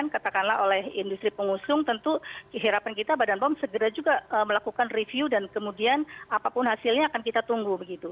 jadi kan katakanlah oleh industri pengusung tentu kehidupan kita badan pom segera juga melakukan review dan kemudian apapun hasilnya akan kita tunggu begitu